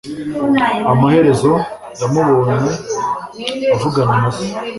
Amaherezo, yamubonye avugana na se.